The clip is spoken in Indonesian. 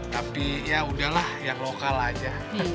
tapi ya udahlah yang lokal aja